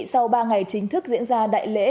sau ba ngày chính thức diễn ra đại lễ